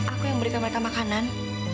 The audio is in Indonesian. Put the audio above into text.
aku yang memberikan mereka makanan